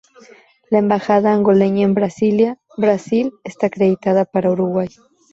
La embajada angoleña en Brasilia, Brasil está acreditada para Uruguay.